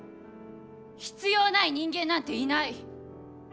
必要ない人間なんていない。